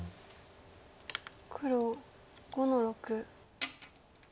黒５の六。